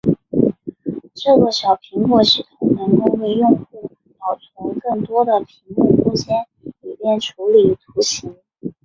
这个小菜单系统能够为用户保存更多的屏幕空间以便处理图形。